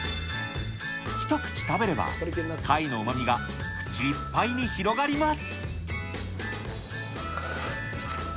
一口食べれば貝のうまみが口いっぱいに広がります。